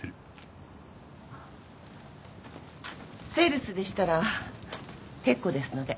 セールスでしたら結構ですので。